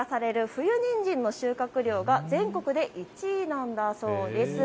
冬にんじんの収穫量が全国で１位なんだそうです。